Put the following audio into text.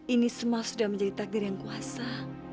ini semua sudah menjadi takdir yang kuasa